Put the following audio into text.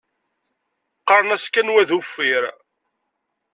Qqaṛen-as kan wa d uffir.